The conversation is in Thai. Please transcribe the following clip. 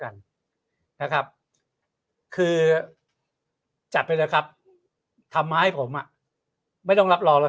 กันนะครับคือจัดไปเลยครับทำให้ผมอ่ะไม่ต้องรับรองแล้ว